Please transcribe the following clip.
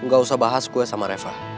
gak usah bahas gue sama reva